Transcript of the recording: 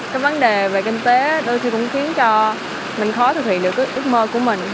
cái vấn đề về kinh tế đôi khi cũng khiến cho mình khó thử thị được ước mơ của mình